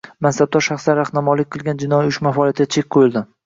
Mansabdor shaxslar rahnamolik qilgan jinoiy uyushma faoliyatiga chek qo‘yilding